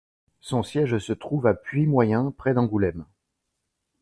Son siège se trouve à Puymoyen près d'Angoulême.